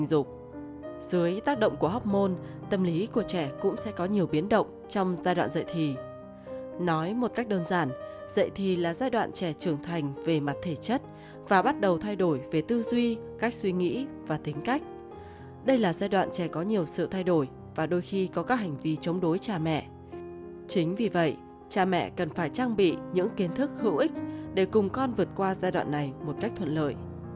để cùng con vượt qua giai đoạn này một cách thuận lợi